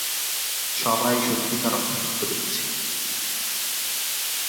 সবাই সত্যিকার অর্থে বিপদে আছে।